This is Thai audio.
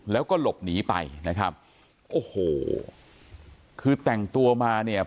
แล้วก็หลบหนีไปนะครับโอ้โหคือแต่งตัวมาเนี่ย